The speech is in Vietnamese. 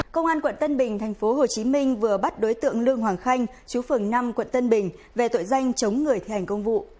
công an quận tân bình tp hcm vừa bắt đối tượng lương hoàng khanh chú phường năm quận tân bình về tội danh chống người thi hành công vụ